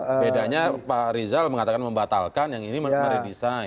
bedanya pak riza mengatakan membatalkan yang ini meredesign